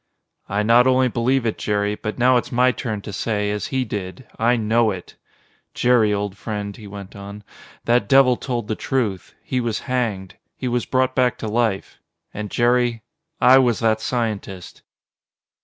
"I not only believe it, Jerry, but now it's my turn to say, as he did, I know it! Jerry, old friend," he went on, "that devil told the truth. He was hanged. He was brought back to life; and Jerry I was that scientist!"